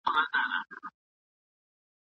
قرآن د حق او باطل لاره روښانه کوي.